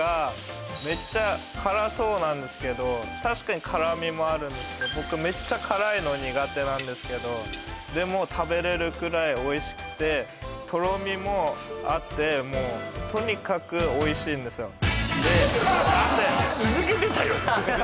メッチャ辛そうなんですけど確かに辛みもあるんですけど僕メッチャ辛いの苦手なんですけどでも食べれるくらいおいしくてとろみもあってもうとにかくおいしいんですよで汗続けてたよ